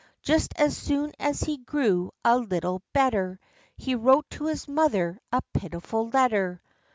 Just as soon as he grew a little better, He wrote to his mother a pitiful letter.